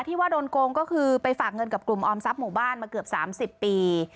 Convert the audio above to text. ที่ว่าโดนโกงก็คือไปฝากเงินกับกลุ่มออมทรัพย์หมู่บ้านมาเกือบ๓๐ปี